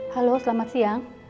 halo selamat siang